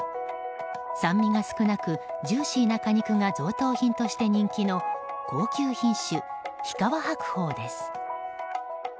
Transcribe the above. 酸味が少なくジューシーな果肉が贈答品として人気の高級品種、日川白鳳です。